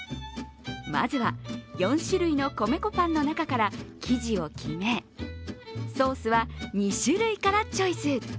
まずは４種類の米粉パンの中から生地を決めソースは２種類からチョイス。